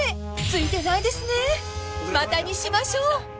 ［ついてないですねまたにしましょう］